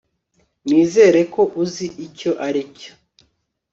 Nizere ko uzi icyo aricyo